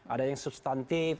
ada yang substantif